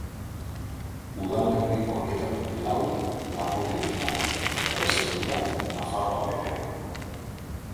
Udalerri horietatik lau Lapurdin dira, eta beste hirurak Nafarroa Beherean.